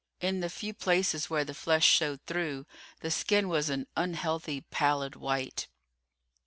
In the few places where the flesh showed through the skin was an unhealthy, pallid white.